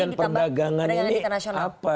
nah kementerian perdagangan ini apa